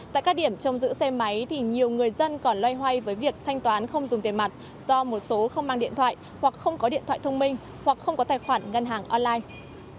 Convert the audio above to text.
tại các điểm trong giữ xe máy thì nhiều người dân còn loay hoay với việc thanh toán không dùng tiền mặt do một số không mang điện thoại hoặc không có điện thoại thông minh hoặc không có tài khoản ngân hàng online